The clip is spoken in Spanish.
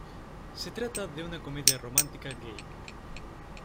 Se trata de una comedia romántica gay.